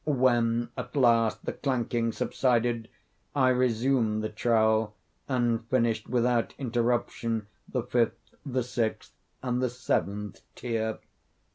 When at last the clanking subsided, I resumed the trowel, and finished without interruption the fifth, the sixth, and the seventh tier.